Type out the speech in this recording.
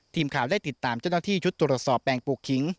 ทีมข่าวได้ติดตามเจ้าหน้าที่ชุดตรวจสอบแปลงปลูกขิง